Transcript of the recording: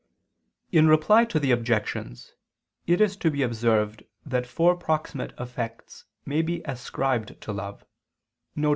In reply to the objections, it is to be observed that four proximate effects may be ascribed to love: viz.